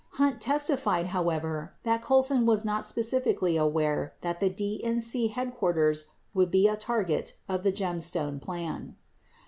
85 Hunt testified, however, that Colson was not specifically aware that the DNC headquarters would be a target of the Gemstone plan.